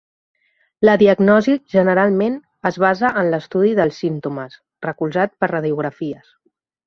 La diagnosi generalment es basa en l'estudi dels símptomes, recolzat per Radiografies.